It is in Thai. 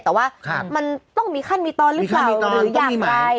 แต่ว่ามันต้องมีขั้นมีตอนหรือเปล่าหรืออย่างไร